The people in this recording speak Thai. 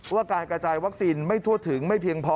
ว่าการกระจายวัคซีนไม่ทั่วถึงไม่เพียงพอ